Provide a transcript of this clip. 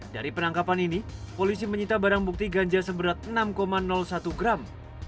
dari penangkapan ini polisi menyita barang bukti ganja seberat enam satu gram